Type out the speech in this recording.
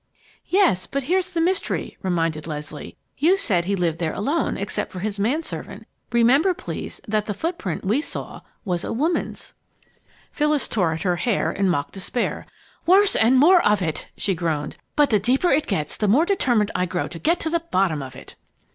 "Yes, but here's the mystery," reminded Leslie. "You said he lived here alone except for his man servant. Remember, please, that the footprint we saw was a woman's!" Phyllis tore at her hair in mock despair. "Worse and more of it!" she groaned. "But the deeper it gets, the more determined I grow to get to the bottom of it!"